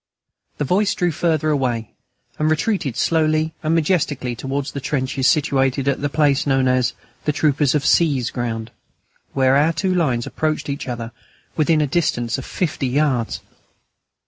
The voice drew farther away, and retreated slowly and majestically towards the trenches situated at the place known as the "Troopers of C.'s" ground, where our two lines approached each other within a distance of fifty yards.